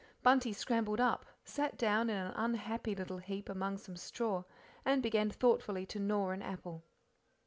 Bunty scrambled up, sat down in an unhappy little heap among some straw, and began thoughtfully to gnaw an apple.